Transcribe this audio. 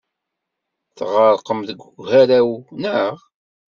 Tɣerqem deg ugaraw, naɣ?